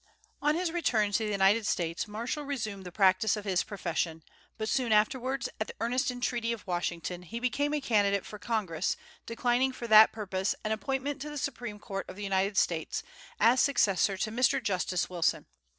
On his return to the United States, Marshall resumed the practice of his profession; but soon afterwards, at the earnest entreaty of Washington, he became a candidate for Congress, declining for that purpose an appointment to the Supreme Court of the United States, as successor to Mr. Justice Wilson.